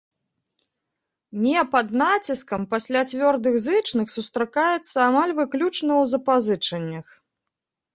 Не пад націскам пасля цвёрдых зычных сустракаецца амаль выключна ў запазычаннях.